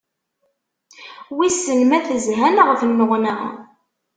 Wissen ma tezha, neɣ tennuɣna.